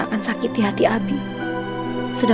kasihan abi ma